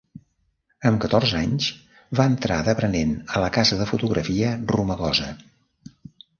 Amb catorze anys, va entrar d'aprenent a la casa de fotografia Romagosa.